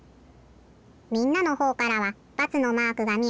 みんなのほうからは×のマークがみえて。